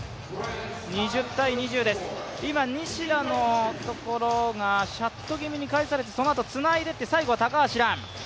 今、西田のところがシャット気味に返されてそのあとつないでって最後は高橋藍。